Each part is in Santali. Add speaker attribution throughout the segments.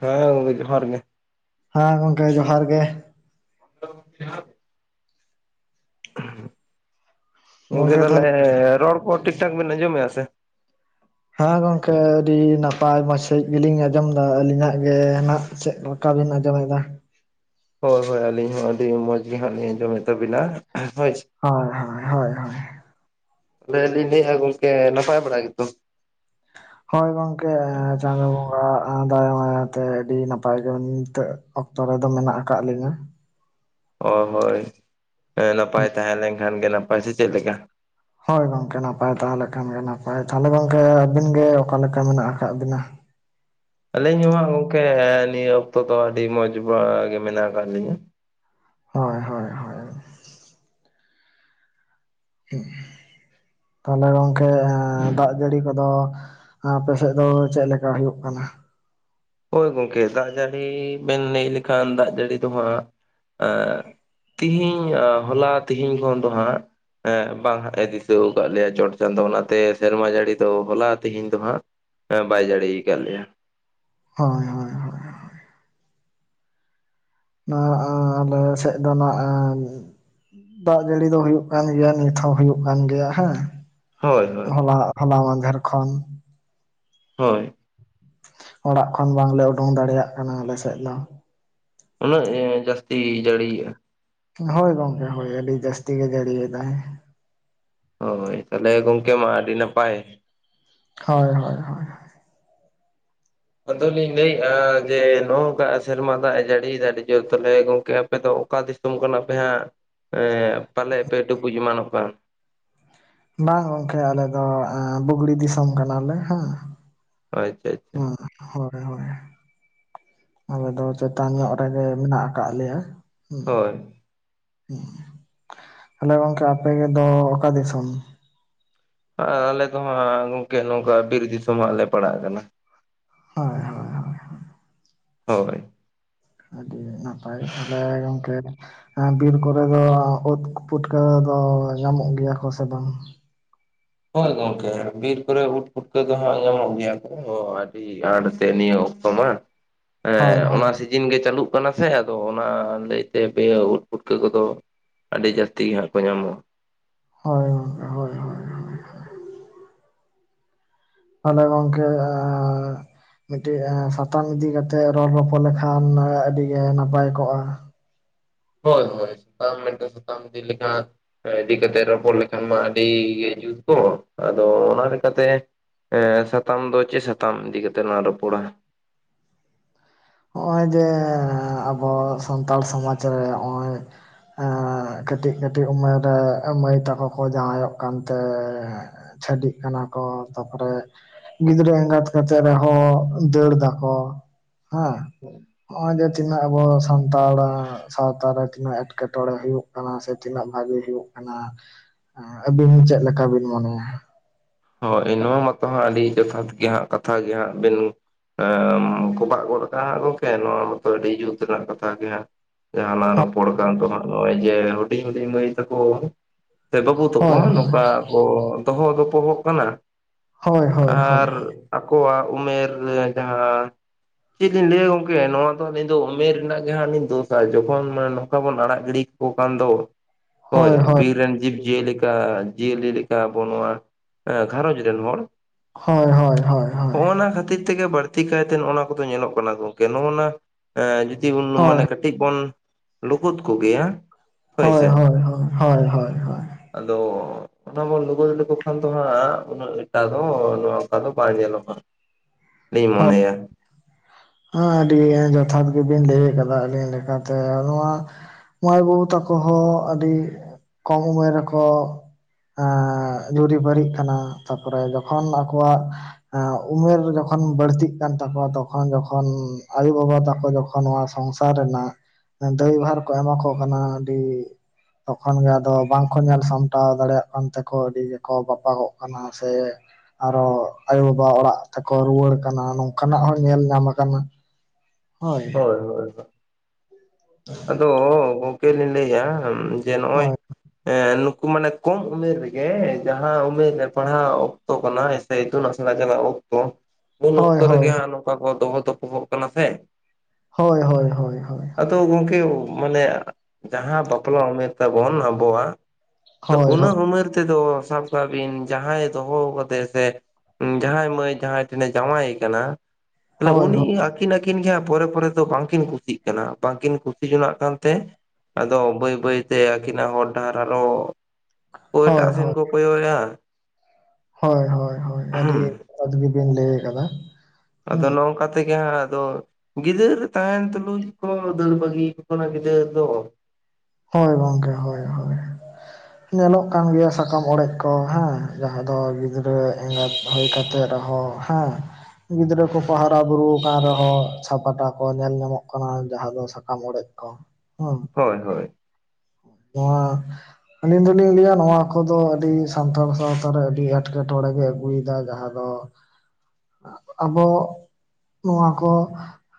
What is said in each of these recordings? Speaker 1: ᱦᱮ ᱜᱚᱝᱠᱮ ᱡᱚᱦᱟᱨ ᱜᱮ
Speaker 2: ᱦᱮᱸ ᱜᱚᱝᱠᱮ ᱡᱚᱦᱟᱨ ᱜᱮ
Speaker 1: [unintelligible] ᱜᱚᱝᱠᱮ ᱛᱟᱦᱚᱞᱮ ᱨᱚᱲ ᱠᱚ ᱴᱷᱤᱠ ᱴᱷᱟᱠ ᱵᱮᱱ ᱟᱡᱚᱢᱮ-ᱟ ᱥᱮ
Speaker 2: ᱦᱮᱸ ᱜᱚᱝᱠᱮ ᱟᱹᱰᱤ ᱱᱟᱯᱟᱭ ᱢᱚᱪᱷᱟ ᱜᱮᱞᱤᱧ ᱟᱸᱡᱚᱢ ᱫᱟ ᱟᱹᱞᱤᱧᱟᱜ ᱜᱮ ᱱᱟᱜ ᱪᱮᱫ ᱠᱟᱵᱤᱱ ᱟᱸᱡᱚᱢᱟᱭᱮᱫᱟ
Speaker 1: ᱦᱳᱭ ᱦᱳᱭ ᱟᱹᱞᱤᱧ ᱦᱚᱸ ᱟᱹᱰᱤ ᱢᱚᱡᱽ ᱜᱮ ᱦᱟᱸᱜ ᱞᱤᱧ ᱟᱸᱡᱚᱢ ᱮᱫ ᱛᱟᱵᱤᱱᱟ ᱦᱳᱭ
Speaker 2: ᱦᱚᱭ ᱦᱚᱭ ᱦᱚᱭ ᱦᱚᱭ
Speaker 1: ᱞᱟᱹᱭᱟᱞᱤᱣ ᱞᱟᱹᱭᱤᱧ ᱜᱚᱝᱠᱮ ᱱᱟᱯᱟᱭ ᱵᱟᱲᱟ ᱜᱮᱛᱚ
Speaker 2: ᱦᱳᱭ ᱜᱚᱝᱠᱮ ᱪᱟᱸᱫᱚ ᱵᱚᱸᱜᱟ ᱫᱟᱭᱟ ᱢᱟᱭᱟᱛᱮ ᱟᱹᱰᱤ ᱱᱟᱯᱟᱭ ᱜᱮ ᱢᱤᱱᱟᱹᱧᱟ ᱱᱤᱛᱚᱜ ᱚᱠᱛᱚ ᱨᱮᱫᱚ ᱢᱮᱱᱟᱜ ᱟᱠᱟᱫ ᱞᱤᱧᱟ
Speaker 1: ᱚ ᱦᱳᱭ ᱱᱟᱯᱟᱭ ᱛᱟᱦᱮ ᱞᱮᱱᱠᱷᱟᱱ ᱜᱮ ᱱᱟᱯᱟᱭ ᱥᱮ ᱪᱮᱫ ᱞᱮᱠᱟ
Speaker 2: ᱦᱳᱭ ᱜᱚᱝᱠᱮ ᱱᱟᱯᱟᱭ ᱛᱟᱦᱮ ᱞᱮᱠᱷᱟᱱ ᱜᱮ ᱱᱟᱯᱟᱭ ᱛᱟᱦᱚᱞᱮ ᱜᱚᱝᱠᱮ ᱟᱹᱵᱤᱱ ᱜᱮ ᱚᱠᱟ ᱞᱮᱠᱟ ᱢᱮᱱᱟᱜ ᱟᱠᱟᱫ ᱵᱤᱱᱟ
Speaker 1: ᱟᱹᱞᱤᱧ ᱦᱚᱸ ᱦᱟᱜ ᱜᱚᱝᱠᱮ ᱱᱤᱭᱟᱹ ᱚᱠᱛᱚ ᱫᱚ ᱟᱹᱰᱤ ᱢᱚᱸᱡᱽ ᱵᱟᱲᱟ ᱜᱮ ᱢᱮᱱᱟᱜ ᱟᱠᱟᱫ ᱞᱤᱧᱟᱹ
Speaker 2: ᱦᱳᱭ ᱦᱳᱭ ᱦᱳᱭ ᱛᱟᱦᱚᱞᱮ ᱜᱚᱝᱠᱮ ᱫᱟᱜ ᱡᱟᱹᱲᱤ ᱠᱚᱫᱚ ᱟᱯᱮᱥᱮᱫ ᱫᱚ ᱪᱮᱫ ᱞᱮᱠᱟ ᱦᱩᱭᱩᱜ ᱠᱟᱱᱟ
Speaker 1: ᱦᱳᱭ ᱜᱚᱝᱠᱮ ᱫᱟᱜ ᱡᱟᱹᱲᱤ ᱵᱮᱱ ᱞᱟᱹᱭ ᱞᱮᱠᱷᱟᱱ ᱫᱟᱜ ᱡᱟᱹᱲᱤ ᱫᱚᱦᱟᱸᱜ ᱮ ᱛᱤᱦᱤᱧ ᱟᱨ ᱦᱚᱞᱟ ᱛᱤᱦᱤᱧ ᱠᱷᱚᱱ ᱫᱚ ᱦᱟᱸᱜ ᱦᱮᱸ ᱵᱟᱝ ᱦᱟᱜ ᱮ ᱫᱤᱥᱟᱹᱟᱠᱟᱫ ᱞᱮᱭᱟ ᱪᱚᱴ ᱪᱟᱸᱫᱚ ᱚᱱᱟᱛᱮ ᱥᱮᱨᱢᱟ ᱡᱟᱹᱲᱤ ᱫᱚ ᱦᱚᱞᱟ ᱛᱮᱦᱤᱧ ᱫᱚ ᱦᱟᱸᱜ ᱦᱮ ᱵᱟᱭ ᱡᱟᱹᱲᱤ ᱠᱟᱜ ᱞᱮᱭᱟ
Speaker 2: ᱦᱳᱭ ᱦᱳᱭ ᱦᱳᱭ ᱱᱚᱣᱟ ᱟᱞᱮ ᱥᱮᱫ ᱫᱚ ᱱᱟᱜ ᱫᱟᱜ ᱡᱟᱹᱲᱤ ᱫᱚ ᱦᱩᱭᱩᱜ ᱠᱟᱱ ᱜᱮᱭᱟ ᱱᱤᱛ ᱦᱚᱸ ᱦᱩᱭᱩᱜ ᱠᱟᱱ ᱜᱮᱭᱟ ᱦᱮᱸ
Speaker 1: ᱦᱳᱭ ᱦᱳᱭ
Speaker 2: ᱦᱚᱞᱟ ᱦᱚᱞᱟ ᱢᱟᱫᱷᱮᱨ ᱠᱷᱚᱱ
Speaker 1: ᱦᱳᱭ
Speaker 2: ᱚᱲᱟᱜ ᱠᱷᱚᱱ ᱵᱟᱝᱞᱮ ᱩᱰᱩᱝ ᱫᱟᱲᱮᱭᱟᱜ ᱠᱟᱱᱟ ᱟᱞᱮᱥᱮᱫ ᱫᱚ
Speaker 1: ᱩᱱᱟᱹᱜ ᱮ ᱡᱟᱹᱥᱛᱤᱭ ᱡᱟᱹᱲᱤᱭ ᱮᱜ-ᱟ
Speaker 2: ᱦᱳᱭ ᱜᱚᱝᱠᱮ ᱦᱳᱭ ᱟᱹᱰᱤ ᱡᱟᱹᱥᱛᱤ ᱜᱮᱭ ᱡᱟᱹᱲᱤᱭ ᱮᱫᱟᱭ
Speaker 1: ᱦᱳᱭ ᱛᱟᱦᱚᱞᱮ ᱜᱚᱝᱠᱮ ᱢᱟ ᱟᱹᱰᱤ ᱱᱟᱯᱟᱭ
Speaker 2: ᱦᱳᱭ ᱦᱳᱭ ᱦᱳᱭ
Speaker 1: ᱟᱫᱚᱞᱤᱧ ᱞᱟᱹᱭᱮᱫ-ᱟ ᱡᱮ ᱱᱚᱜᱠᱟ ᱥᱮᱨᱢᱟ ᱫᱟᱜ ᱮ ᱡᱟᱹᱲᱤᱭᱮᱫᱟ ᱟᱹᱰᱤ ᱡᱳᱨ ᱛᱟᱦᱚᱞᱮ ᱜᱚᱝᱠᱮ ᱟᱯᱮᱫᱚ ᱚᱠᱟ ᱫᱤᱥᱚᱢ ᱫᱤᱥᱚᱢ ᱠᱟᱱᱟᱯᱮ ᱦᱟᱜ ᱯᱟᱞᱮᱭ ᱯᱮ ᱰᱩᱵᱩᱡ ᱮᱢᱟᱱᱚᱜ ᱠᱟᱱ
Speaker 2: ᱵᱟᱝ ᱜᱚᱝᱠᱮ ᱟᱞᱮ ᱫᱚ ᱵᱩᱜᱽᱲᱤ ᱫᱤᱥᱚᱢ ᱠᱟᱱᱟᱞᱮ ᱦᱮ
Speaker 1: ᱟᱪᱪᱟ ᱟᱡ
Speaker 2: ᱦᱳᱭ ᱦᱳᱭ ᱟᱞᱮ ᱫᱚ ᱪᱮᱛᱟᱱ ᱧᱚᱜ ᱨᱮᱜᱮ ᱢᱮᱱᱟᱜ ᱟᱠᱟᱜ ᱞᱮᱭᱟ ᱦᱩ
Speaker 1: ᱦᱳᱭ
Speaker 2: ᱦᱮᱞᱳ ᱜᱚᱝᱠᱮ ᱟᱯᱮ ᱫᱚ ᱚᱠᱟ ᱫᱤᱥᱚᱢ
Speaker 1: ᱟᱞᱮ ᱠᱚ ᱢᱟ ᱜᱚᱝᱠᱮ ᱱᱚᱝᱠᱟ ᱵᱤᱨ ᱫᱤᱥᱚᱢ ᱦᱚᱲ ᱞᱮ ᱯᱟᱲᱟᱜ ᱠᱟᱱᱟ
Speaker 2: ᱦᱳᱭ ᱦᱳᱭ ᱦᱳᱭ
Speaker 1: ᱦᱳᱭ
Speaker 2: ᱟᱹᱰᱤ ᱱᱟᱯᱟᱭ ᱜᱮ ᱛᱟᱦᱳᱞᱮ ᱜᱚᱝᱠᱮ, ᱵᱤᱨ ᱠᱚᱨᱮ ᱫᱚ ᱚᱛ ᱯᱩᱴᱠᱟᱹ ᱠᱚ ᱧᱟᱢᱚᱜ ᱜᱮᱭᱟ ᱠᱚ ᱥᱮ ᱵᱟᱝ?
Speaker 1: ᱦᱳᱭ ᱜᱚᱝᱠᱮ ᱵᱤᱨ ᱠᱚᱨᱮ ᱳᱫᱽ ᱯᱩᱴᱠᱟᱹ ᱫᱚ ᱦᱜ ᱧᱟᱢᱚᱜ ᱜᱮᱭᱟ ᱠᱚ ᱟᱹᱰᱤ ᱟᱸᱴ ᱛᱮ, ᱱᱤᱭᱟᱹ ᱠᱚ ᱵᱟᱝ,
Speaker 2: ᱦᱳᱭ ᱦᱳᱭ
Speaker 1: ᱚᱱᱟ ᱫᱤᱱ ᱜᱮ ᱪᱟᱹᱞᱩᱜ ᱠᱟᱱᱟ ᱥᱮ ᱟᱫᱚ ᱚᱱᱟ ᱞᱟᱹᱭ [unintelligible] ᱛᱮ ᱯᱮ ᱩᱫ ᱯᱷᱩᱴᱠᱟᱹ ᱠᱚᱫᱚ ᱟᱹᱰᱤ ᱡᱟᱹᱥᱛᱤ ᱜᱮ ᱦᱟᱸᱜ ᱠᱚ ᱧᱟᱢᱚᱜᱼᱟ᱾
Speaker 2: ᱦᱳᱭ ᱜᱚᱝᱠᱮ ᱦᱳᱭ ᱦᱳᱭ ᱦᱮᱞᱳ ᱜᱟᱝᱠᱮ ᱟ ᱢᱤᱫᱴᱮᱱ ᱥᱟᱛᱟᱢ ᱤᱫᱤ ᱠᱟᱛᱮᱜ ᱨᱚᱲ ᱨᱚᱯᱚᱲ ᱞᱮᱠᱷᱟᱱ ᱟᱹᱰᱤᱜ ᱱᱟᱯᱟᱭ ᱠᱚᱜᱼᱟ᱾
Speaker 1: ᱦᱳᱭ ᱦᱳᱭ, ᱠᱟᱨᱚᱱ ᱢᱮᱫᱴᱟᱝ ᱥᱟᱛᱟᱢ ᱤᱫᱤ ᱞᱮᱠᱷᱱ ᱤᱫᱤ ᱠᱟᱛᱮᱜ ᱨᱚᱯᱚᱲ ᱞᱮᱠᱷᱟᱱ ᱢᱟ ᱟᱹᱰᱤ ᱡᱩᱛ ᱠᱚᱜ, ᱟᱫᱚ ᱚᱱᱟ ᱞᱮᱠᱟᱛᱮ ᱮ ᱥᱟᱛᱟᱢ ᱫᱚ ᱪᱮᱫ ᱥᱟᱛᱟᱢ ᱤᱫᱤ ᱠᱟᱛᱮᱜ ᱞᱟᱝ ᱨᱚᱯᱚᱲᱟ?
Speaker 2: ᱱᱚᱜᱼᱚᱭ ᱡᱮ ᱟᱵᱚ ᱥᱟᱱᱛᱟᱲ ᱥᱚᱢᱟᱡᱽ ᱨᱮ ᱱᱚᱜᱼᱚᱭ, ᱠᱟᱹᱴᱤᱡ ᱠᱟᱹᱴᱤᱡ ᱩᱢᱮᱨ ᱨᱮ ᱢᱟᱹᱭ ᱛᱟᱠᱚ ᱠᱚ ᱡᱟᱶᱟᱭᱚᱜ ᱠᱟᱱᱛᱮ, ᱪᱷᱟᱹᱰᱤᱜ ᱠᱟᱱᱟ ᱠᱚ ᱛᱟᱨᱯᱚᱨᱮ ᱜᱤᱫᱽᱨᱟᱹ ᱮᱸᱜᱟᱛ ᱠᱟᱛᱮᱜ ᱨᱮᱦᱚᱸ ᱫᱟᱹᱲ ᱫᱟᱠᱚ, ᱦᱟᱸ ᱱᱚᱜ ᱚᱭ ᱡᱮ ᱛᱤᱱᱟᱹᱜ ᱟᱵᱚ ᱥᱟᱱᱛᱟᱲ ᱥᱟᱶᱛᱟᱨᱮ ᱛᱤᱱᱟᱹᱜ ᱮᱸᱴᱠᱮᱴᱚᱬᱮ ᱦᱩᱭᱩᱜ ᱠᱟᱱᱟ ᱥᱮ ᱛᱤᱱᱟᱹᱜ ᱵᱷᱟᱜᱤ ᱦᱩᱭᱩᱜ ᱠᱟᱱᱟ ᱟᱹᱵᱤᱱ ᱪᱮᱫ ᱞᱮᱠᱟ ᱵᱤᱱ ᱢᱚᱱᱮᱭᱟ?
Speaker 1: ᱦᱳᱭ ᱱᱚᱣᱟ ᱢᱟᱛᱚ ᱦᱟᱸᱜ ᱟᱹᱰᱤ ᱡᱚᱛᱷᱟᱛ ᱜᱮ ᱦᱟᱸᱜ ᱠᱟᱛᱷ ᱜᱮ ᱦᱟᱸᱜ ᱵᱮᱱ, ᱮ ᱠᱚᱵᱟᱜ ᱜᱚᱫ ᱠᱟᱜᱼᱟ ᱦᱟᱸᱜ ᱜᱚᱝᱠᱮ ᱱᱚᱣᱟ ᱢᱟᱛᱚ ᱟᱹᱰᱤ ᱡᱩᱛ ᱨᱮᱱᱟᱜ ᱠᱟᱛᱷᱟ ᱜᱮ ᱦᱟᱸᱜ ᱡᱟᱦᱟᱞᱟᱝ ᱨᱚᱯᱚᱲ ᱠᱟᱱ ᱛᱚ ᱦᱟᱸᱜ ᱱᱚᱜᱼᱚᱭ ᱡᱮ ᱦᱩᱰᱤᱧ ᱦᱩᱰᱤᱧ ᱢᱟᱹᱭ ᱛᱟᱠᱚ, ᱥᱮ ᱵᱟᱹᱵᱩ ᱛᱟᱠᱚ
Speaker 2: ᱦᱳᱭ ᱦᱳᱭ
Speaker 1: ᱱᱚᱝᱠᱟ ᱠᱚ ᱫᱚᱦᱚ ᱜᱚᱯᱚᱦᱚᱜ ᱠᱟᱱᱟ
Speaker 2: ᱦᱳᱭ ᱦᱳᱭ ᱦᱳᱭ
Speaker 1: ᱟᱨ ᱟᱠᱚᱣᱟᱜ ᱩᱢᱮᱨ ᱡᱟᱦᱟᱸ ᱪᱮᱫ ᱞᱤᱧ ᱞᱟᱹᱭᱟ ᱜᱚᱝᱠᱮ ᱱᱚᱣᱟ ᱫᱚᱞᱤᱧ ᱫᱚ ᱩᱢᱮᱨ ᱨᱮᱱᱟᱜ ᱜᱮ ᱦᱟᱸᱜ ᱞᱤᱧ ᱫᱳᱥᱟ ᱡᱚᱠᱷᱚᱱ ᱢᱟᱱᱮ ᱱᱚᱝᱠᱟ ᱵᱚᱱ ᱟᱲᱟᱜ ᱜᱤᱲᱤ ᱠᱚ ᱠᱟᱱ ᱫᱚ ᱦᱳᱭ ᱵᱤᱨ ᱨᱮᱱ ᱡᱤᱵᱽᱡᱤᱭᱟᱹᱞᱤᱠᱟ ᱡᱤᱭᱟᱹᱞᱤ ᱞᱮᱠᱟᱵᱚ ᱱᱚᱣᱟ ᱮᱸ ᱜᱷᱟᱨᱚᱧᱡᱽ ᱨᱮᱱ ᱦᱚᱲ
Speaker 2: ᱦᱚᱭ ᱦᱚᱭ ᱦᱚᱭ
Speaker 1: ᱦᱚᱜᱼᱱᱟ ᱠᱷᱟᱹᱛᱤᱨ ᱛᱮᱜᱮ ᱵᱟᱹᱲᱛᱤ ᱠᱟᱭᱛᱮ ᱱᱚᱜᱼᱱᱟ ᱱᱚᱣᱟ ᱠᱚᱫᱚ ᱧᱮᱞᱚᱜ ᱠᱟᱱᱟ ᱜᱚᱝᱠᱮ ᱱᱚᱜᱼᱱᱟ, ᱮᱸᱜ ᱡᱩᱫᱤ ᱵᱚᱱ
Speaker 2: ᱦᱳᱭ
Speaker 1: ᱢᱟᱱᱮ ᱠᱟᱹᱴᱤᱡ ᱵᱚᱱ ᱞᱩᱠᱩᱫ ᱠᱚᱜᱮᱭᱟ,
Speaker 2: ᱦᱳᱭ ᱦᱳᱭ ᱦᱳᱭ ᱦᱳᱭ,
Speaker 1: ᱟᱫᱚ ᱚᱱᱟ ᱵᱚᱱ ᱞᱩᱜᱚᱫ ᱞᱮᱠᱚ ᱠᱷᱟᱱ, ᱟᱫᱚ ᱦᱟᱸᱜ ᱩᱱᱟᱹᱜ ᱴᱟ ᱫᱚ ᱱᱚᱝᱠᱟ ᱫᱚ ᱵᱟᱝ ᱧᱮᱞᱚᱜᱼᱟ ᱤᱧ
Speaker 2: ᱦᱳᱭ
Speaker 1: ᱢᱚᱱᱮᱭᱟ᱾
Speaker 2: ᱟᱹᱰᱤ ᱡᱚᱛᱷᱟᱛ ᱜᱮᱵᱤᱱ ᱞᱟᱹᱭ ᱠᱟᱫᱟ ᱟᱹᱞᱤᱧ ᱞᱮᱠᱟᱛᱮ ᱱᱚᱣᱟ ᱢᱟᱹᱭ ᱵᱟᱹᱵᱩ ᱛᱟᱠᱚ ᱦᱚᱸ ᱟᱹᱰᱤ ᱠᱚᱢ ᱩᱢᱮᱨ ᱨᱮᱠᱚ ᱮᱸ ᱡᱩᱨᱤ ᱵᱟᱨᱤᱜ ᱠᱟᱱᱟ, ᱛᱟᱯᱚᱨᱮ ᱡᱚᱠᱷᱚᱱ ᱟᱠᱚᱣᱟᱜ ᱩᱢᱮᱨ ᱡᱚᱠᱷᱚᱱ ᱛᱚᱠᱷᱚᱱ ᱵᱟᱹᱲᱛᱤᱜ ᱠᱟᱱ ᱛᱟᱠᱚᱣᱟ ᱛᱚᱠᱷᱚᱱ ᱡᱚᱠᱷᱚᱱ ᱟᱭᱳ ᱵᱟᱵᱟ ᱛᱟᱠᱚ ᱡᱚᱠᱷᱚᱱ ᱱᱚᱣᱟ ᱥᱚᱝᱥᱟᱨ ᱨᱮᱱᱟᱜ ᱫᱟᱹᱭᱵᱷᱟᱨ ᱠᱚ ᱮᱢᱟ ᱠᱚ ᱠᱟᱱᱟ ᱟᱹᱰᱤ ᱛᱚᱠᱷᱚᱱ ᱜᱮ ᱟᱫᱚ ᱵᱟᱝᱠᱚ ᱧᱮᱞ ᱥᱟᱢᱴᱟᱣ ᱫᱟᱲᱮᱭᱟᱜ ᱠᱟᱱ ᱛᱮᱠᱚ ᱟᱹᱰᱤ ᱜᱮᱠᱚ ᱵᱟᱯᱟᱜᱚᱜ ᱠᱟᱱᱟ ᱥᱮ ᱟᱨᱦᱚ ᱟᱭᱳ ᱵᱟᱵᱟ ᱚᱲᱟᱜ ᱛᱮᱠᱚ ᱨᱩᱣᱟᱹᱲ ᱠᱟᱱᱟ ᱱᱚᱝᱠᱟᱱᱟᱜ ᱦᱚᱸ ᱧᱮᱞ ᱧᱟᱢ ᱟᱠᱟᱱᱟ᱾
Speaker 1: ᱦᱳᱭ ᱦᱳᱭ ᱟᱫᱚ ᱜᱚᱝᱠᱮ ᱞᱤᱧ ᱞᱟᱹᱭᱮᱜᱼᱟ ᱡᱮ ᱱᱚᱜᱼᱚᱭ
Speaker 2: ᱦᱳᱭ
Speaker 1: ᱱᱩᱠᱩ ᱢᱟᱱᱮ ᱠᱚᱢ ᱩᱢᱮᱨ ᱨᱮᱜᱮ ᱡᱟᱦᱟᱸ ᱩᱢᱮᱨ ᱨᱮ ᱯᱟᱲᱦᱟᱣ ᱚᱠᱛᱚ ᱠᱟᱱᱟ ᱥᱮ ᱤᱛᱩᱱ ᱟᱥᱲᱟ ᱪᱟᱞᱟᱜ ᱚᱠᱛᱚ ᱩᱱ
Speaker 2: ᱦᱳᱭ
Speaker 1: ᱚᱠᱛᱚ
Speaker 2: ᱦᱳᱭ
Speaker 1: ᱨᱮᱜᱮ ᱦᱟᱸᱜ ᱱᱚᱝᱠᱟ ᱠᱚ ᱫᱚᱦᱚ ᱫᱚᱯᱚᱦᱚᱜ ᱠᱟᱱᱟ ᱥᱮ,
Speaker 2: ᱦᱳᱭ ᱦᱳᱦ ᱦᱳᱭ
Speaker 1: ᱟᱫᱚ ᱜᱚᱝᱠᱮ ᱢᱟᱱᱮ ᱡᱟᱦᱟᱸ ᱵᱟᱯᱞᱟ ᱩᱢᱮᱨ ᱛᱟᱵᱚᱱ ᱟᱵᱚᱣᱟᱜ ᱟᱫᱚ
Speaker 2: ᱦᱳᱭ ᱦᱳᱭ
Speaker 1: ᱩᱱᱟᱹᱜ ᱩᱢᱮᱨ ᱛᱮᱫᱚ ᱥᱟᱵ ᱠᱟᱜ ᱵᱤᱱ ᱡᱟᱦᱟᱸᱭ ᱫᱚᱦᱚ ᱠᱟᱫᱟᱮᱭᱟ ᱥᱮ ᱡᱟᱦᱟᱸᱭ ᱢᱟᱹᱭ ᱡᱟᱦᱟᱸᱭ ᱴᱷᱮᱱᱮ ᱡᱟᱶᱟᱭ ᱟᱠᱟᱱᱟ ᱾ [unintelligible]
Speaker 2: ᱦᱳᱭ
Speaker 1: ᱩᱱᱤ ᱟᱹᱠᱤᱱ ᱟᱹᱠᱤᱱ ᱜᱮᱭᱟ ᱯᱚᱨᱮ ᱯᱚᱨᱮ ᱫᱚ ᱵᱟᱝᱠᱤᱱ ᱠᱩᱥᱤᱜ ᱠᱟᱱᱟ ᱾ ᱵᱟᱝᱠᱤᱱ ᱠᱩᱥᱤᱜ ᱡᱚᱱᱟᱜ ᱠᱟᱱᱛᱮ ᱟᱫᱚ ᱵᱟᱹᱭ ᱵᱟᱹᱭ ᱛᱮ ᱟᱹᱠᱤᱱᱟᱜ ᱦᱚᱨ ᱰᱟᱦᱟᱨ ᱟᱨᱦᱚᱸ ᱚᱠᱚᱭ ᱮᱴᱟᱜ
Speaker 2: ᱦᱳᱭ
Speaker 1: ᱥᱮᱱ ᱠᱚ ᱠᱚᱭᱚᱜ ᱮᱭᱟ ᱾
Speaker 2: ᱦᱳᱭ ᱦᱳᱭ ᱦᱳᱭ ᱟᱹᱰᱤ ᱟᱹᱰᱤ ᱜᱮᱵᱤᱱ ᱞᱟᱹᱭ ᱟᱠᱟᱫᱟ ᱾
Speaker 1: ᱟᱫᱚ ᱱᱚᱝᱠᱟ ᱛᱮᱜᱮ ᱦᱟᱹᱜ ᱟᱫᱚ ᱜᱤᱫᱟᱹᱨ ᱛᱟᱦᱮᱸᱱ ᱛᱩᱞᱩᱡ ᱠᱚ ᱫᱟᱹᱲ ᱵᱟᱹᱜᱤᱭᱟᱠᱚ ᱠᱟᱱᱟ ᱜᱤᱫᱟᱹᱨ ᱫᱚ ᱾
Speaker 2: ᱦᱳᱭ ᱜᱚᱝᱠᱮ ᱦᱳᱭ ᱦᱳᱭ ᱾ ᱧᱮᱞᱚᱜ ᱠᱟᱱ ᱜᱮᱭᱟ ᱥᱟᱠᱟᱢ ᱚᱲᱮᱡ ᱠᱚ ᱦᱮᱸ, ᱡᱟᱦᱟᱸ ᱫᱚ ᱜᱤᱫᱽᱨᱟᱹ ᱮᱸᱜᱟᱛ ᱦᱩᱭ ᱠᱟᱛᱮ ᱨᱮᱦᱚᱸ ᱦᱮᱸ ᱜᱤᱫᱽᱨᱟᱹ ᱠᱚᱠᱚ ᱦᱟᱨᱟ ᱵᱩᱨᱩ ᱟᱠᱟᱱ ᱨᱮᱦᱚᱸ ᱪᱷᱟᱯᱟᱰᱟ ᱠᱚ ᱧᱮᱞ ᱧᱟᱢᱚᱜ ᱠᱟᱱᱟ ᱡᱟᱦᱟᱸ ᱫᱚ ᱥᱟᱠᱟᱢ ᱚᱲᱮᱡ ᱠᱚ [inaudible] ᱦᱩᱸ
Speaker 1: ᱦᱳᱭ ᱦᱳᱭ
Speaker 2: ᱱᱚᱣᱟ ᱟᱹᱞᱤᱧ ᱫᱚᱞᱤᱧ ᱞᱟᱹᱭᱟ ᱱᱚᱣᱟ ᱠᱚᱫᱚ ᱟᱹᱰᱤ ᱥᱟᱱᱛᱟᱲ ᱥᱟᱶᱛᱟ ᱨᱮ ᱟᱹᱰᱤ ᱮᱸᱴᱠᱮᱴᱚᱬᱮ ᱜᱮ ᱟᱹᱜᱩᱭᱮᱫᱟ ᱡᱟᱦᱟᱸ ᱫᱚ ᱟᱵᱚ ᱱᱚᱣᱟ ᱠᱚ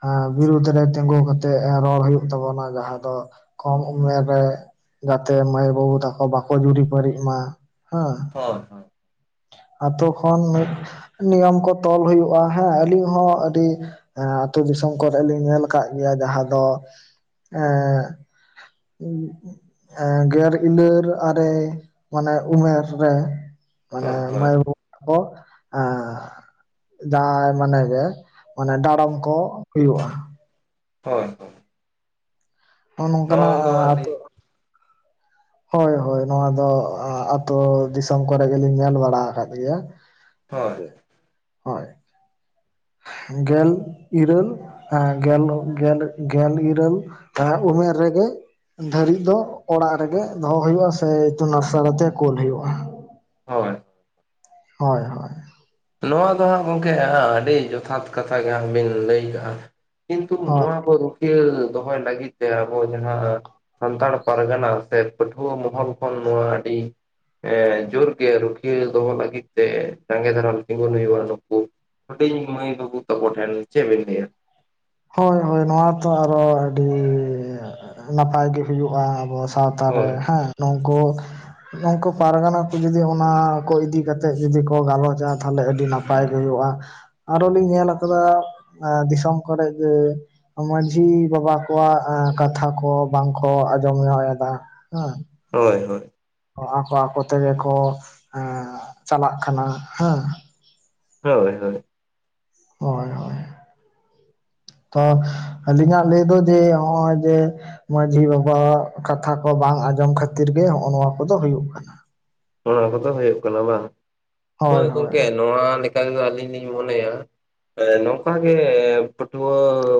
Speaker 2: ᱦᱮᱸ ᱵᱤᱨᱩᱫᱷ ᱨᱮ ᱛᱤᱸᱜᱩ ᱠᱟᱛᱮᱜ ᱨᱚᱲ ᱦᱩᱭᱩᱜ ᱛᱟᱵᱚᱱᱟ ᱡᱟᱦᱟᱸ ᱫᱚ ᱠᱚᱢ ᱩᱢᱮᱨ ᱨᱮ ᱜᱟᱛᱮ, ᱢᱟᱹᱭ ᱟᱨ ᱵᱟᱵᱩ ᱛᱟᱠᱚ ᱵᱟᱠᱚ ᱡᱩᱨᱤ ᱯᱟᱨᱤᱜ ᱢᱟ ᱦᱮᱸ᱾
Speaker 1: ᱦᱳᱭ ᱦᱳᱭ
Speaker 2: ᱟᱛᱳ ᱠᱷᱚᱱ ᱢᱤᱫ ᱱᱤᱭᱚᱢ ᱠᱚ ᱛᱚᱞ ᱦᱩᱭᱩᱜᱼᱟ ᱦᱮᱸ ᱾ ᱟᱹᱞᱤᱧ ᱦᱚᱸ ᱟᱹᱰᱤ ᱮᱸ ᱟᱹᱛᱩ ᱫᱤᱥᱚᱢ ᱠᱚᱨᱮᱞᱤᱧ ᱧᱮᱞ ᱠᱟᱜ ᱜᱮᱭᱟ ᱡᱟᱦᱟ ᱫᱚ ᱮᱸ [unintelligible] ᱮᱸ ᱜᱮᱨ ᱤᱞᱟᱹᱨ ᱟᱨᱮ ᱢᱟᱱᱮ ᱩᱢᱮᱨ ᱨᱮ᱾ ᱢᱟᱱᱮ
Speaker 1: ᱦᱳᱭ
Speaker 2: ᱢᱟ.
Speaker 1: ᱦᱳᱭ
Speaker 2: ᱭ ᱵᱟᱹᱵᱩ ᱛᱟᱠᱚ ᱟᱸ ᱡᱟᱶᱟᱭ ᱢᱟᱱᱮ ᱜᱮ ᱢᱟᱱᱮ ᱰᱟᱸᱲᱚᱢ ᱠᱚ ᱦᱩᱭᱩᱜᱼᱟ ᱾
Speaker 1: ᱦᱳᱭ ᱦᱳᱭ
Speaker 2: ᱱᱚᱜᱼ ᱱᱚᱝᱠᱟᱱᱟᱜ ᱟ
Speaker 1: ᱫᱚ ᱟᱹᱰᱤ
Speaker 2: ᱟᱛᱩ ᱦᱳᱭ ᱦᱳᱭ ᱱᱚᱣᱟ ᱫᱚ ᱟ ᱟ. ᱛᱩ ᱫᱤᱥᱚᱢ ᱠᱚᱨᱮ ᱜᱮᱞᱤᱧ ᱧᱮᱞ ᱵᱟᱲᱟ ᱟᱠᱟᱫ ᱜᱮᱭᱟ ᱾
Speaker 1: ᱦᱳᱭ
Speaker 2: ᱦᱮᱸ ᱦᱳᱭ ᱾ ᱜᱮᱞ ᱤᱨᱟᱹᱞ ᱦᱮᱸ ᱜᱮᱞ ᱜᱮᱞ ᱜᱮᱞ ᱤᱨᱟᱹᱞ ᱮᱸ ᱩᱢᱮᱨ ᱨᱮᱜᱮ ᱫᱷᱟᱹᱨᱤᱡ ᱫᱚ ᱚᱲᱟᱜ ᱨᱮᱜᱮ ᱫᱚᱦᱚ ᱦᱩᱭᱩᱜᱼᱟ ᱥᱮ ᱤᱛᱩᱱ ᱟᱥᱲᱟ ᱛᱮ ᱠᱳᱞ ᱦᱩᱭᱩᱜᱼᱟ ᱾
Speaker 1: ᱦᱳᱭ
Speaker 2: ᱦᱳᱭ ᱦᱳᱭ
Speaker 1: ᱱᱚᱣᱟ ᱫᱚ ᱦᱟᱹᱜ ᱜᱚᱢᱠᱮ ᱦᱟᱸᱜ ᱟᱹᱰᱤ ᱡᱚᱛᱷᱟᱛ ᱠᱟᱛᱷᱟ ᱜᱮ ᱦᱟᱸᱜ ᱵᱤᱱ ᱞᱟᱹᱭᱟᱠᱟᱜᱼᱟ ᱾ ᱠᱤᱱᱛᱩ
Speaker 2: ᱦᱳᱭ
Speaker 1: ᱱᱚᱣᱟ ᱠᱚ ᱨᱩᱠᱷᱤᱭᱟᱹ ᱫᱚᱦᱚᱭ ᱞᱟᱹᱜᱤᱫ ᱛᱮ ᱟᱵᱚ ᱡᱟᱦᱟᱸ ᱟᱹ ᱥᱟᱱᱛᱟᱲ ᱯᱟᱨᱜᱟᱱᱟ ᱥᱮ ᱯᱟᱹᱴᱷᱩᱣᱟᱹ ᱢᱚᱦᱚᱞ ᱠᱷᱚᱱ ᱱᱚᱣᱟ ᱟᱹᱰᱤ ᱦᱮᱸ ᱡᱩᱨ ᱜᱮ ᱨᱩᱠᱷᱤᱭᱟᱹ ᱫᱚᱦᱚ ᱞᱟᱹᱜᱤᱫ ᱛᱮ ᱥᱟᱸᱜᱮ ᱫᱟᱨᱟᱢ ᱛᱤᱸᱜᱩᱱ ᱦᱩᱭᱩᱜᱼᱟ᱾ ᱱᱩᱠᱩ ᱦᱩᱰᱤᱧ ᱢᱟᱹᱭ ᱵᱟᱹᱵᱩ ᱛᱚᱠᱚ ᱴᱷᱮᱱ ᱪᱮᱫ ᱵᱤᱱ ᱞᱟᱹᱭᱼᱟ ᱾
Speaker 2: ᱦᱳᱭ ᱦᱳᱭ ᱱᱚᱣᱟ ᱛᱚ ᱟᱨᱚ ᱟᱹᱰᱤ ᱱᱟᱯᱟᱭ ᱜᱮ ᱦᱩᱭᱩᱜᱼᱟ ᱾ ᱟᱵᱚ ᱥᱟᱶᱛᱟ ᱨᱮ
Speaker 1: ᱦᱳᱭ
Speaker 2: ᱦᱮᱸ ᱱᱩᱝᱠᱩ ᱱᱩᱝᱠᱩ ᱯᱟᱨᱜᱟᱱᱟ ᱠᱚ ᱡᱩᱫᱤ ᱚᱱᱟ ᱠᱚ ᱤᱫᱤ ᱠᱟᱛᱮᱫ ᱡᱩᱫᱤ ᱠᱚ ᱜᱟᱞᱚᱪᱼᱟ ᱛᱟᱦᱚᱞᱮ ᱟᱹᱰᱤ ᱱᱟᱯ ᱯᱟᱭ ᱦᱩᱭᱩᱜᱼᱟ᱾ ᱟᱨᱚ ᱞᱤᱧ ᱧᱮᱞ ᱟᱠᱟᱫᱟ ᱟᱸ ᱫᱤᱥᱚᱢ ᱠᱚᱨᱮ ᱡᱮ ᱢᱟᱺᱡᱷᱤ ᱵᱟᱵᱟ ᱠᱚᱣᱟᱜ ᱠᱟᱛᱷᱟ ᱠᱚ ᱵᱟᱝᱠᱚ ᱟᱸᱡᱚᱢ ᱧᱚᱜ ᱮᱫᱟ, ᱦᱮᱸ ᱾
Speaker 1: ᱦᱳᱭ ᱦᱳᱭ
Speaker 2: ᱦᱚᱸ ᱟᱠᱚ ᱟᱠᱚ ᱛᱮᱜᱮ ᱠᱚ ᱦᱮᱸ ᱪᱟᱞᱟᱜ ᱠᱟᱱᱟ ᱦᱮᱸ ᱾
Speaker 1: ᱦᱳᱭ ᱦᱳᱭ
Speaker 2: ᱦᱳᱭ ᱦᱳᱭ᱾ ᱛᱚ ᱟᱹᱞᱤᱧᱟᱜ ᱞᱟᱹᱭ ᱫᱚ ᱡᱮ ᱱᱚᱜᱼᱚᱭ ᱡᱮ ᱢᱟᱺᱡᱷᱤ ᱵᱟᱵᱟᱣᱟᱜ ᱠᱟᱛᱷᱟ ᱠᱚ ᱵᱟᱝ ᱟᱸᱡᱚᱢ ᱠᱷᱟᱹᱛᱤᱨ ᱜᱮ ᱱᱚᱜᱼᱚ ᱱᱚᱣᱟ ᱠᱚᱫᱚ ᱦᱩᱭᱩᱜ ᱠᱟᱱᱟ᱾
Speaker 1: ᱚᱱᱟ ᱠᱚᱫᱚ ᱦᱩᱭᱩᱜ ᱠᱟᱱᱟ ᱵᱟᱝ᱾ ᱦᱳᱭ ᱜᱚᱝᱠᱮ ᱱᱚᱣᱟ ᱞᱮᱠᱟ ᱛᱮᱫᱚ ᱟᱹᱞᱤᱧ ᱞᱤᱧ ᱢᱚᱱᱮᱭᱟ ᱮ ᱱᱚᱝᱠᱟ ᱜᱮ ᱯᱟᱹᱴᱷᱩᱣᱟᱹ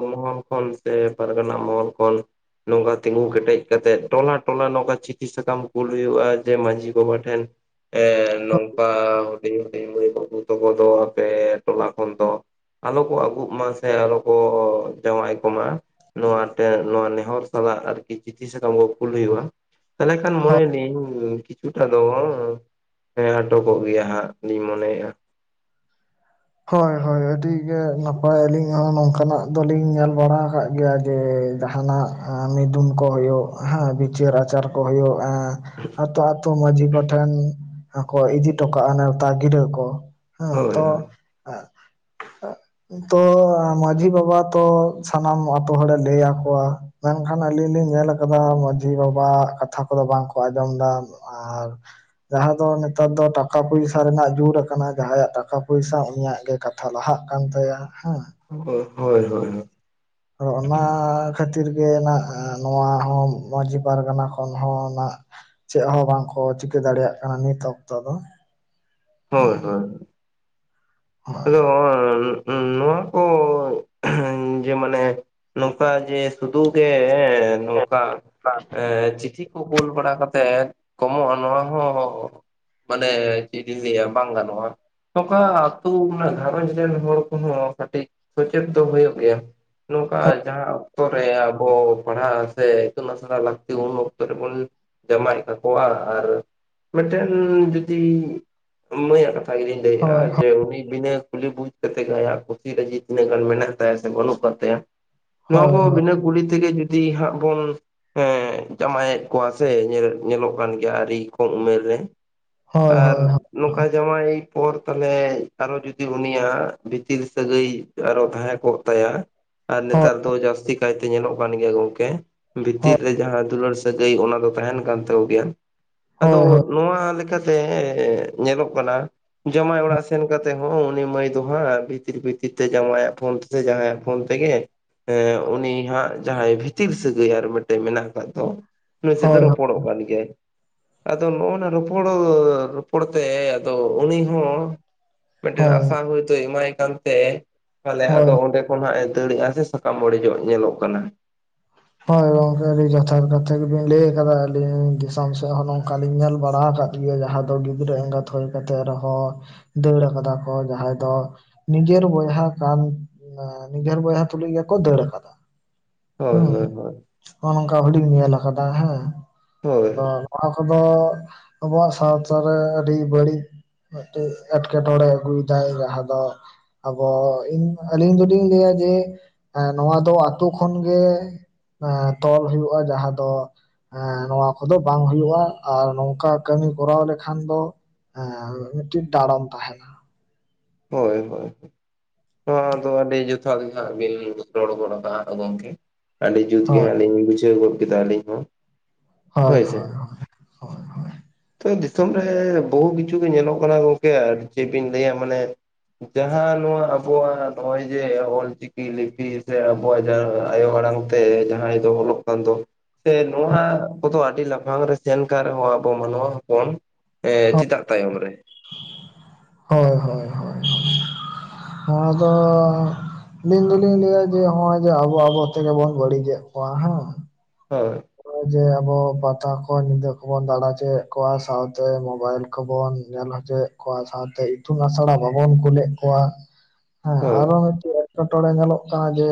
Speaker 1: ᱢᱚᱦᱚᱞ ᱠᱷᱚᱱ ᱥᱮ ᱯᱟᱨᱜᱟᱱᱟ ᱢᱚᱦᱚᱞ ᱠᱷᱚᱱ ᱱᱚᱝᱠᱟ ᱛᱤᱸᱜᱩ ᱠᱮᱴᱮᱡ ᱠᱟᱛᱮᱜ ᱴᱚᱞᱟ ᱴᱚᱞᱟ ᱱᱚᱝᱠᱟ ᱪᱤᱴᱷᱤ ᱥᱟᱠᱟᱢ ᱠᱩᱞ ᱦᱩᱭᱩᱜᱼᱟ ᱡᱮ ᱢᱟᱺᱡᱷᱤ ᱵᱟᱵᱟ ᱴᱷᱮᱱ ᱮᱸ ᱱᱚᱝᱠᱟ ᱦᱩᱰᱤᱧ ᱦᱩᱰᱩᱧ ᱢᱟ. ᱭ ᱵᱟᱵᱩ ᱵᱟᱵᱩ ᱛᱟᱠᱚ ᱫᱚ ᱟᱯᱮ ᱴᱚᱞᱟ ᱠᱷᱚᱱ ᱫᱚ ᱟᱞᱚ ᱠᱚ ᱟᱹᱜᱩᱜ ᱢᱟ ᱥᱮ ᱟᱞᱚ ᱠᱚ ᱡᱟᱶᱟᱭ ᱠᱚᱢᱟ ᱱᱚᱣᱟ ᱛᱮ ᱱᱚᱣᱟ ᱱᱮᱦᱚᱨ ᱥᱟᱞᱟᱜ ᱟᱨᱠᱤ ᱪᱤᱴᱷᱤ ᱥᱟᱠᱟᱢ ᱠᱚ ᱠᱩᱞ ᱦᱩᱭᱩᱜᱼᱟ ᱛᱟᱦᱚᱞᱮ ᱠᱷᱟᱱ
Speaker 2: ᱦᱳᱭ
Speaker 1: ᱢᱚᱱᱮᱫᱤᱧ ᱠᱤᱪᱷᱩᱴᱟᱜ ᱫᱚ ᱦᱮᱸ ᱟᱴᱚᱠᱚᱜ ᱜᱮᱭᱟ ᱦᱟᱸᱜ ᱞᱤᱧ ᱢᱚᱱᱮᱭᱮᱜᱼᱟ
Speaker 2: ᱦᱳᱭ ᱦᱳᱭ ᱟᱹᱰᱤᱜᱮ ᱱᱟᱯᱟᱭ ᱟᱹᱞᱤᱧ ᱦᱚᱸ ᱱᱚᱝᱠᱟᱱᱟᱜ ᱫᱚᱞᱤᱧ ᱧᱮᱞ ᱜᱟᱞᱡᱨᱟᱣ ᱟᱠᱟᱫ ᱜᱮᱭᱟ ᱡᱮ ᱡᱟᱦᱟᱱᱟᱜ ᱢᱤᱫᱩᱱ ᱠᱚ ᱦᱩᱭᱩᱜ ᱦᱮᱸ ᱵᱤᱪᱟᱹᱨ ᱟᱪᱟᱨ ᱦᱩᱭᱩᱜᱼᱟ ᱟᱹᱛᱳ ᱟᱹᱛᱳ ᱢᱟᱺᱡᱷᱤ ᱠᱚᱴᱷᱮᱱ ᱠᱚ ᱤᱫᱤ ᱦᱚᱴᱚ ᱠᱟᱜᱼᱟ ᱱᱮᱣᱛᱟ ᱜᱤᱨᱟᱹ ᱠᱚ ᱦᱮᱸ
Speaker 1: ᱦᱳᱭ
Speaker 2: ᱛᱚ
Speaker 1: ᱦᱳᱭ
Speaker 2: ᱟᱸ ᱛᱚ ᱢᱟᱺᱡᱷᱤ ᱵᱟᱵᱟ ᱛᱚ ᱥᱟᱱᱟᱢ ᱟᱛᱳ ᱦᱚᱲᱮ ᱞᱟᱹᱭ ᱟᱠᱚᱣᱟ ᱢᱮᱱᱠᱷᱟᱱ ᱟᱹᱞᱤᱧ ᱞᱤᱧ ᱧᱮᱞ ᱟᱠᱟᱫᱟ ᱢᱟᱺᱡᱷᱤ ᱵᱟᱵᱟ ᱠᱟᱛᱷᱟ ᱠᱚᱫᱚ ᱵᱟᱝᱠᱚ ᱟᱸᱡᱚᱢ ᱮᱫᱟ ᱟᱨ ᱡᱟᱦᱟᱸ ᱫᱚ ᱱᱮᱛᱟᱨ ᱫᱚ ᱴᱟᱠᱟ ᱯᱚᱭᱥᱟ ᱨᱮᱱᱟᱜ ᱡᱳᱨ ᱟᱠᱟᱱᱟ ᱡᱟᱦᱟᱸᱭᱟᱜ ᱴᱟᱠᱟ ᱯᱚᱭᱥᱟ ᱩᱱᱤᱭᱟᱹᱜ ᱜᱮ ᱠᱟᱛᱷᱟ ᱞᱟᱦᱟᱜ ᱠᱟᱱ ᱛᱟᱭᱟ ᱦᱮᱸ
Speaker 1: ᱦᱳᱭ ᱦᱳᱭ ᱦᱳᱭ
Speaker 2: ᱚᱱᱟ ᱠᱷᱟᱹᱛᱤᱨ ᱜᱮ ᱱᱟᱦᱜ ᱱᱚᱣᱟ ᱦᱚᱸ ᱢᱟᱺᱡᱷᱤ ᱯᱟᱨᱜᱟᱱᱟ ᱠᱷᱚᱱ ᱦᱚᱸ ᱱᱟᱜ ᱪᱮᱫ ᱦᱚᱸ ᱵᱟᱝᱠᱚ ᱪᱤᱠᱟᱹ ᱫᱟᱲᱮᱭᱟᱜ ᱠᱟᱱᱟ ᱱᱤᱛ ᱚᱠᱛᱚ ᱫᱚ
Speaker 1: ᱦᱳᱭ ᱦᱳᱭ ᱟᱫᱚ ᱦᱚᱚᱭ ᱱᱚᱣᱟᱠᱩ ᱦᱸ ᱡᱮ ᱢᱟᱱᱮ ᱱᱚᱝᱠᱟ ᱡᱮ ᱥᱩᱫᱩ ᱜᱮ ᱜᱮ ᱱᱚᱝᱠᱟ ᱪᱤᱴᱦᱤ ᱠᱚ ᱠᱚᱞ ᱵᱟᱲᱟ ᱠᱟᱛᱮᱜ ᱠᱚᱢᱚᱜᱼᱟ ᱱᱚᱣᱟ ᱦᱚᱸ ᱢᱟᱱᱮ ᱪᱮᱫ ᱞᱤᱱ ᱞᱟᱹᱭ ᱟ ᱵᱟᱝ ᱜᱟᱱᱚᱜᱼᱟ ᱱᱚᱝᱠᱟ ᱛᱩᱵᱩ ᱚᱱᱟ ᱜᱷᱟᱨᱚᱡᱽ ᱨᱮᱱ ᱦᱚᱲ ᱠᱚᱦᱚᱸ ᱠᱟᱹᱴᱤᱡ ᱥᱚᱪᱮᱛᱚᱱ ᱦᱩᱭᱩᱜ ᱜᱮᱭᱟ ᱱᱚᱝᱠᱟ ᱡᱟᱦᱟᱸ ᱚᱠᱛᱚ ᱨᱮ ᱟᱵᱚ ᱯᱟᱲᱦᱟᱜ ᱥᱮ ᱤᱛᱩᱱ ᱟᱥᱲᱟ ᱞᱟᱹᱠᱛᱤ ᱩᱱ ᱚᱠᱛᱚ ᱨᱮᱵᱚᱱ ᱡᱟᱢᱟᱭᱮᱫ ᱛᱟᱠᱚᱣᱟ ᱟᱨ ᱢᱤᱫᱴᱮᱱ ᱡᱩᱫᱤ ᱢᱟᱹᱭᱟ ᱠᱟᱛᱷᱟ ᱜᱮᱞᱤᱧ
Speaker 2: ᱦᱳᱭ ᱦᱳᱭ
Speaker 1: ᱞᱟᱹᱭᱼᱟ ᱩᱱᱤ ᱵᱤᱱᱟᱹ ᱠᱩᱞᱤ ᱵᱩᱡ ᱠᱟᱛᱮᱜ ᱜᱮ ᱟᱭᱟᱜ ᱠᱩᱥᱤ ᱨᱟᱡᱤ ᱛᱤᱱᱟᱹᱜ ᱜᱟᱱ ᱢᱮᱱᱟᱜ ᱛᱟᱭᱟ ᱥᱮ ᱵᱟᱹᱱᱩᱜ ᱟᱠᱟᱫ ᱛᱟᱭᱟ ᱱᱚᱣᱟ
Speaker 2: ᱦᱳᱭ
Speaker 1: ᱠᱚᱸ ᱵᱤᱱᱟᱹ ᱠᱩᱲᱤ ᱛᱮᱜᱮ ᱡᱩᱫᱤ ᱦᱟᱸᱜ ᱵᱚᱱ ᱦᱮᱸ ᱡᱟᱶᱟᱭᱮᱫ ᱠᱚᱣᱟ ᱥᱮ ᱧᱮᱞᱮ ᱧᱮᱞᱚᱜ ᱠᱟᱱ ᱜᱮᱭᱟ ᱟᱹᱰᱤ ᱠᱚᱢ ᱩᱢᱮᱨ ᱨᱮ
Speaker 2: ᱦᱳᱭ
Speaker 1: ᱟᱨ
Speaker 2: ᱦᱳᱭ ᱦᱳᱭ
Speaker 1: ᱱᱚᱝᱠᱟ ᱡᱟᱢᱟᱭ ᱮ ᱯᱚᱨ ᱛᱟᱦᱚᱞᱮ ᱟᱨᱚ ᱡᱩᱫᱤ ᱩᱱᱤᱭᱟᱜ ᱵᱷᱤᱛᱤᱞ ᱥᱟᱹᱜᱟᱹᱭ ᱟᱨᱚ ᱛᱟᱦᱮᱸ ᱠᱚᱜ ᱛᱟᱭᱟ ᱟᱨ ᱱᱮᱛᱟᱨ ᱫᱚ ᱡᱟᱹᱥᱛᱤ ᱠᱟᱭᱛᱮ ᱧᱮᱞᱚᱜ ᱠᱟᱱ ᱜᱮᱭᱟ ᱜᱚᱝᱠᱮ
Speaker 2: ᱦᱳᱭ
Speaker 1: ᱵᱷᱤᱛᱤᱨ ᱨᱮ ᱡᱟᱦᱟᱸ ᱫᱩᱞᱟᱹᱲ ᱥ ᱥᱟᱹᱜᱟᱹᱭ ᱚᱱᱟ ᱫᱚ ᱛᱟᱦᱮᱱ ᱠᱟᱱ ᱛᱟᱠᱚ ᱜᱮᱭᱟ ᱟᱫᱚ
Speaker 2: ᱦᱳᱭ ᱦᱳᱭ
Speaker 1: ᱱᱚᱣᱟ ᱞᱮᱠᱟᱛᱮ ᱧᱮᱞᱚᱜ ᱠᱟᱱᱟ ᱡᱟᱶᱟᱭ ᱚᱲᱟᱜ ᱥᱮᱱ ᱠᱟᱛᱮᱫ ᱦᱚᱸ ᱩᱱᱤ ᱢᱟᱹᱭ ᱫᱚ ᱦᱟᱸᱜ ᱵᱷᱤᱛᱤᱨ ᱵᱷᱤᱛᱤᱨ ᱛᱮ ᱡᱟᱶᱟᱭᱟᱜ ᱯᱷᱳᱱ ᱛᱮᱥᱮ ᱡᱟᱦᱟᱸᱭᱟᱜ ᱯᱷᱳᱱ ᱛᱮᱜᱮ ᱦᱮᱸ ᱩᱱᱤ ᱦᱟᱸᱜ ᱡᱟᱦᱟᱸᱭ ᱵᱷᱤᱛᱤᱨ ᱥᱟᱹᱜᱟᱹᱭ ᱟᱨ ᱢᱤᱫᱴᱮᱡ ᱢᱮᱱᱟᱜ ᱟᱠᱟᱫ ᱫᱚ ᱱᱩᱭᱥᱟ ᱛᱮ
Speaker 2: ᱦᱳᱭ
Speaker 1: ᱨᱚᱯᱚᱲᱚᱜ ᱠᱟᱱ ᱜᱮᱭᱟᱭ ᱟᱫᱚ ᱱᱚᱜᱱᱟ ᱨᱚᱯᱚᱲ ᱨᱚᱯᱚᱲ ᱛᱮ ᱟᱫᱚ ᱩᱱᱤ ᱦᱚᱸ ᱢᱤᱫᱴᱮᱱ
Speaker 2: ᱦᱳᱭ
Speaker 1: ᱟᱥᱟ ᱦᱚᱭ ᱛᱚᱭ ᱮᱢᱟᱭ ᱠᱟᱱ ᱛᱮ ᱛᱟᱦᱚᱞᱮ
Speaker 2: ᱦᱳᱭ
Speaker 1: ᱟᱫᱚ ᱚᱸᱰᱮ ᱠᱷᱚᱱᱟᱜ ᱮ ᱫᱟᱹᱲᱮᱫᱟ ᱥᱮ ᱥᱟᱠᱟᱢ ᱚᱲᱮᱡᱚᱜ ᱧᱮᱞᱚᱜ ᱠᱟᱱᱟ
Speaker 2: ᱦᱳᱭ ᱜᱚᱝᱠᱮ ᱟᱹᱰᱤ ᱡᱚᱛᱷᱟᱛ ᱠᱟᱛᱷᱟ ᱜᱮᱵᱤᱱ ᱞᱟᱹᱭ ᱟᱠᱟᱫᱟ ᱟᱹᱞᱤᱧ ᱫᱤᱥᱚᱢ ᱥᱮᱫ ᱦᱚᱸ ᱱᱚᱝᱠᱟᱞᱤᱧ ᱧᱮᱞ ᱵᱟᱲᱟ ᱟᱠᱟᱫᱟ ᱤᱭᱟᱹ ᱡᱟᱦᱟ ᱫᱚ ᱜᱤᱫᱽᱨᱟᱹ ᱮᱸᱜᱟᱛ ᱦᱩᱭ ᱠᱟᱛᱮᱫ ᱨᱮᱦᱚᱸ ᱫᱟᱹᱲ ᱠᱟᱫᱟ ᱠᱚ ᱡᱟᱦᱟᱸᱭ ᱫᱚ ᱱᱤᱡᱮᱨ ᱵᱚᱭᱦᱟ ᱠᱟᱱ ᱱᱮᱡᱮᱨ ᱵᱚᱭᱦᱟ ᱛᱩᱞᱩᱡ ᱜᱮᱠᱚ ᱫᱟᱹᱲ ᱟᱠᱟᱫᱟ
Speaker 1: ᱦᱳᱭ ᱦᱳᱭ ᱦᱳᱭ
Speaker 2: ᱱᱚ ᱱᱚᱝᱠᱟ ᱦᱚᱰᱤᱧ [unintelligible] ᱧᱮᱞ ᱟᱠᱟᱫᱟ ᱦᱮᱸ
Speaker 1: ᱦᱳᱭ
Speaker 2: ᱟᱫᱚ ᱚᱱᱟ ᱠᱚᱫᱚ ᱟᱵᱚᱣᱟᱜ ᱥᱟᱶᱛᱟᱨᱮ ᱟᱹᱰᱤ ᱵᱟᱹᱲᱤᱡ ᱢᱤᱫᱴᱮᱱ ᱮᱸᱴᱠᱮᱴᱚᱬᱮ ᱟᱹᱜᱩᱭᱮᱫᱟᱭ ᱡᱟᱦᱟᱸ ᱫᱚ ᱟᱵᱚ ᱤᱧ ᱟᱹᱞᱤᱧ ᱫᱚᱞᱤᱧ ᱞᱟᱹᱭᱟ ᱡᱮ ᱱᱚᱣᱟ ᱫᱚ ᱟᱛᱳ ᱠᱷᱚᱱ ᱜᱮ ᱮᱸ ᱛᱚᱞ ᱦᱩᱭᱩᱜᱼᱟ ᱡᱟᱦᱟᱸ ᱫᱚ ᱦᱮᱸ ᱱᱚᱣᱟ ᱠᱚᱫᱚ ᱵᱟᱝ ᱦᱩᱭᱩᱜᱼᱟ ᱟᱨ ᱱᱚᱝᱠᱟ ᱠᱟᱹᱢᱤ ᱠᱚᱨᱟᱣ ᱞᱮᱠᱷᱟᱱ ᱫᱚ ᱦᱮᱸ ᱢᱤᱫᱴᱤᱱ ᱫᱟᱲᱚᱢ ᱛᱟᱦᱮᱱᱟ
Speaker 1: ᱦᱳᱭ ᱦᱳᱭ ᱱᱚᱣᱟᱫᱚ ᱟᱹᱰᱤ ᱡᱚᱛᱷᱟᱛ ᱜᱮ ᱦᱟᱸᱜ ᱵᱤᱱ ᱨᱚᱲ ᱜᱚᱫ ᱟᱠᱟᱫᱼᱟ ᱜᱚᱢᱠᱮ ᱟᱹᱰᱤ ᱡᱩᱛ ᱜᱮ
Speaker 2: ᱦᱳᱭ
Speaker 1: ᱦᱟᱸᱜ ᱞᱤᱧ ᱵᱩᱡᱷᱟᱹᱣ ᱜᱚᱫ ᱠᱮᱫᱟ ᱟᱹᱞᱤᱧ ᱦᱚᱸ ᱦᱳᱭ ᱥᱮ [inaudible] ᱛᱚ ᱫᱤᱥᱚᱢ ᱨᱮ ᱵᱚᱦᱩ ᱠᱤᱪᱷᱩ ᱜᱮ ᱧᱮᱞᱚᱜ ᱠᱟᱱᱟ ᱜᱚᱝᱠᱮ ᱟᱨ ᱪᱮᱫ ᱵᱤᱱ ᱞᱟᱹᱭᱟ ᱢᱟᱱᱮ ᱡᱟᱦᱟᱸ ᱱᱚᱣᱟ ᱟᱵᱚᱣᱟᱜ ᱱᱚᱜᱼᱚᱭ ᱡᱮ ᱚᱞᱪᱤᱠᱤ ᱪᱤᱠᱤ ᱞᱤᱯᱤ ᱥᱮ ᱟᱵᱚᱣᱟᱜ ᱡᱟᱦᱟᱸ ᱟᱭᱳ ᱟᱲᱟᱝ ᱛᱮ ᱡᱟᱦᱟᱸᱭ ᱫᱚ ᱚᱞᱚᱜ ᱠᱟᱱ ᱫᱚ ᱥᱮ ᱱᱚᱣᱟ ᱠᱚᱫᱚ ᱟᱹᱰᱤ ᱞᱟᱯᱷᱟᱝ ᱨᱮ ᱥᱮᱱ ᱠᱟᱱ ᱨᱮᱦᱚᱸ ᱟᱵᱚ ᱢᱟᱱᱣᱟ ᱦᱚᱯᱚᱱ ᱦᱮᱸ ᱪᱮᱫᱟᱜ ᱛᱟᱭᱚᱢ ᱨᱮ
Speaker 2: ᱦᱳᱭ ᱦᱳᱭ ᱦᱳᱭ ᱱᱚᱣᱟ ᱫᱚ ᱟᱹᱞᱤᱧ ᱫᱚᱞᱤᱧ ᱞᱟᱹᱭᱟ ᱡᱮ ᱱᱚᱜᱼᱚᱭ ᱡᱮ ᱟᱵᱚ ᱟᱵᱚ ᱛᱮᱜᱮ ᱵᱚᱱ ᱵᱟᱹᱲᱤᱡᱮᱫ ᱠᱚᱣᱟ ᱦᱮᱸ
Speaker 1: ᱦᱳᱭ
Speaker 2: ᱱᱚᱜᱼᱚᱭ ᱡᱮ ᱟᱵᱚ ᱯᱟᱛᱟ ᱠᱚ ᱧᱤᱫᱟᱹ ᱠᱚᱵᱚᱱ ᱫᱟᱬᱟ ᱦᱚᱪᱚᱭᱮᱫ ᱠᱚᱣᱟ ᱥᱟᱶᱛᱮ ᱢᱳᱵᱟᱭᱤᱞ ᱠᱚᱵᱚᱱ ᱧᱮᱞ ᱦᱚᱪᱚᱭᱮᱫ ᱠᱚᱣᱟ ᱥᱟᱶᱛ ᱮ ᱤᱛᱩᱱ ᱟᱥᱲᱟ ᱵᱟᱵᱚᱱ ᱠᱩᱞᱮᱫ ᱠᱚᱣᱟ
Speaker 1: [inaudible]
Speaker 2: ᱦᱮᱸ ᱟᱨᱚ ᱢᱤᱫᱴᱮᱡ ᱮᱸᱴᱠᱮᱴᱚᱬᱮ ᱧᱮᱞᱚᱜ ᱠᱟᱱᱟ ᱡᱮ